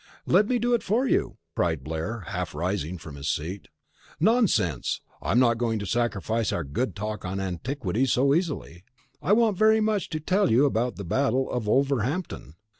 "Let me do it for you!" cried Blair, half rising from his seat. "Nonsense! I'm not going to sacrifice our good talk on antiquities so easily. I want very much to tell you about the Battle of Wolverhampton.